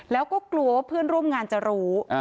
แล้วก็กลัวว่าเพื่อนร่วมงานจะรู้